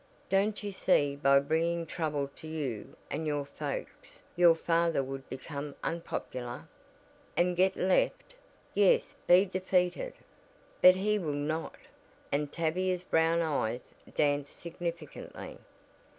Don't you see by bringing trouble to you and your folks your father would become unpopular?" "And get left!" "Yes; be defeated." "But he will not!" and Tavia's brown eyes danced significantly.